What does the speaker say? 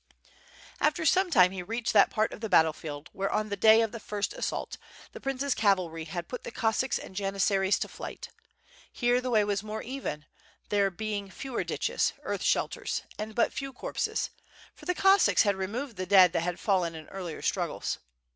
After some time he reached that part of the battle field, where on the day of the first assault, the prince's cavalry had put the Cossacks and janissaries to flight. Here the way was more even, there being fewer ditches, earth shelters, and but few corpses, for the Cossacks had removed the dead that had fallen in earlier struggles.